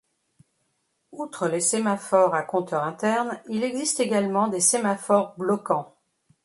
Outre les sémaphores à compteur interne, il existe également les sémaphores bloquants.